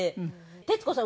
徹子さん